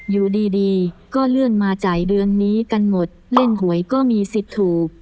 อยู่ดีก็เลื่อนมาจ่ายเดือนนี้กันหมดเล่นหวยก็มีสิทธิ์ถูก